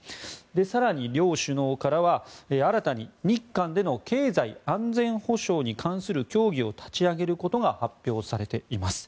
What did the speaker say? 更に、両首脳からは新たに日韓での経済安全保障に関する協議を立ち上げることが発表されています。